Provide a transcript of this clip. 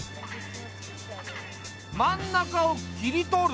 真ん中を切り取る。